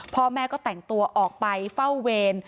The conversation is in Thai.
พ่อแม่ก็แต่งตัวออกไปเฝ้าเวร